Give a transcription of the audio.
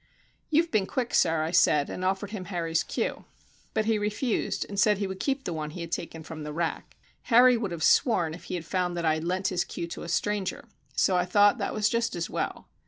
"You've been quick, sir," I said, and offered him Harry's cue. But he refused and said he would keep the one he had taken from the rack. Harry would have sworn if he had found that I had lent his cue to a stranger, so I thought that was just as well.